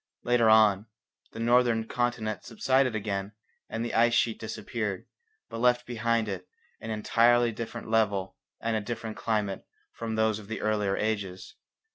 Later on, the northern continent subsided again and the ice sheet disappeared, but left behind it an entirely different level and a different climate from those of the earlier ages.